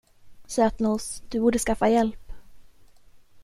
Sötnos, du borde skaffa hjälp.